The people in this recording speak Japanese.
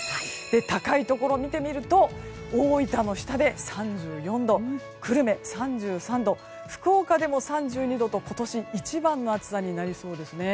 高いところを見てみると大分の日田で３４度久留米、３３度福岡でも３２度と今年一番の暑さになりそうですね。